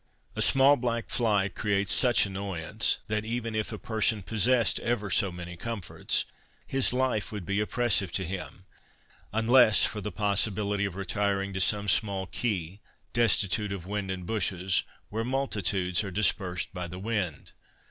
A small black fly creates such annoyance, that even if a person possessed ever so many comforts, his life would be oppressive to him, unless for the possibility of retiring to some small quay, destitute of wood and bushes, where multitudes are dispersed by the wind.